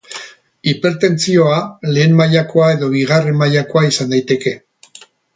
Hipertentsioa lehen mailakoa edo bigarren mailakoa izan daiteke.